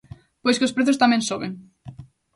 Pois que os prezos tamén soben.